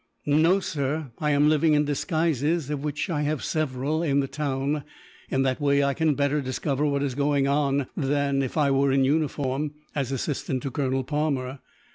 "No, sir; I am living in disguises, of which I have several, in the town. In that way, I can better discover what is going on than if I were in uniform, as assistant to Colonel Palmer.